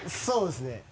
そうですね。